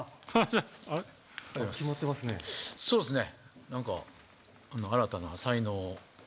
そうっすね。